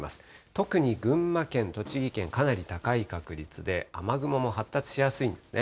特に群馬県、栃木県、かなり高い確率で、雨雲も発達しやすいんですね。